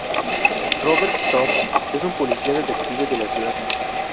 Robert Thorn es un policía detective de la ciudad.